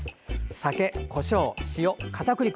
酒、こしょう、塩、かたくり粉。